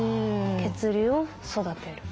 血流を育てる。